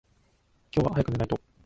今日は早く寝ないと。